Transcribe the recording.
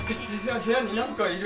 部屋になんかいる！